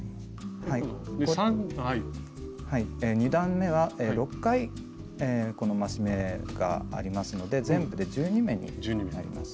２段めは６回この増し目がありますので全部で１２目になります。